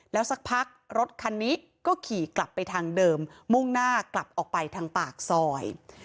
แล้วสักพักรถคันนี้ก็ขี่กลับไปทางเดิมมุ่งหน้ากลับออกไปทางปากซอย